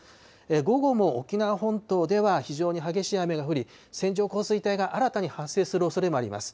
午後も沖縄本島では非常に激しい雨が降り、線状降水帯が新たに発生するおそれもあります。